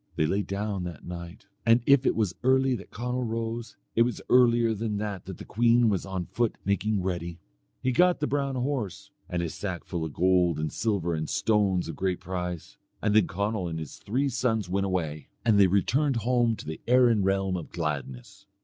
They lay down that night, and if it was early that Conall rose, it was earlier than that that the queen was on foot making ready. He got the brown horse and his sack full of gold and silver and stones of great price, and then Conall and his three sons went away, and they returned home to the Erin realm of gladness.